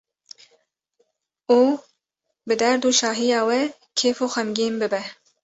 û bi derd û şahiya we kêf û xemgîn bibe.